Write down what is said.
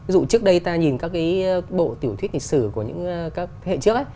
ví dụ trước đây ta nhìn các cái bộ tiểu thuyết lịch sử của những hệ trước